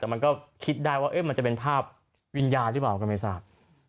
แต่มันก็คิดได้ว่ามันจะเป็นภาพวิญญาณหรือเปล่าก็ไม่ทราบ